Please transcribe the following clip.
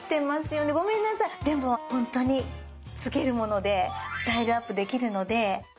でも本当に着ける物でスタイルアップできるので。